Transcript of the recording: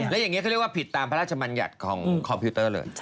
แล้วอย่างนี้เขาเรียกว่าผิดตามพระราชมัญญัติของคอมพิวเตอร์เลย